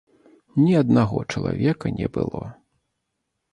Ні аднаго чалавека не было.